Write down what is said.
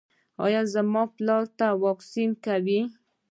ایا زما پلار ته واکسین کوئ؟